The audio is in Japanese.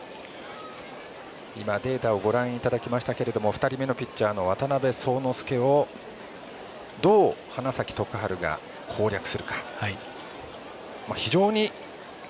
データをご覧いただきましたが２人目のピッチャーの渡邉聡之介をどう花咲徳栄が攻略するか。